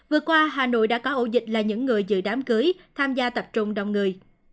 vừa qua hà nội đã có ổ dịch là những người dự đám cưới tham gia tập trung đông người